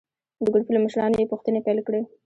د ګروپ له مشرانو یې پوښتنې پیل کړې.